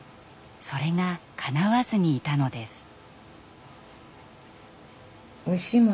それがかなわずにいたのです。